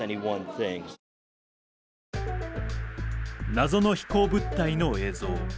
謎の飛行物体の映像。